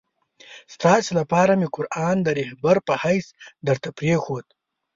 ستاسي لپاره مي قرآن د رهبر په حیث درته پرېښود.